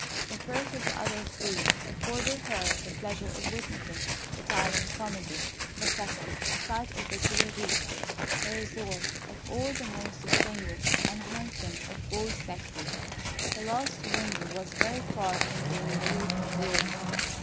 The first of the other three afforded her the pleasure of witnessing Italian comedy; the second, a sight of the Tuileries, the resort of all the most distinguished and handsome of both sexes. The last window was very far from being the least agreeable.